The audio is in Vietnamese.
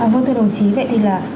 vâng thưa đồng chí vậy thì là